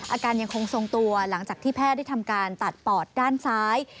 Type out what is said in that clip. อาการยังคงทรงตัวหลังจากที่แพทย์ได้ทำการตัดปอดด้านซ้าย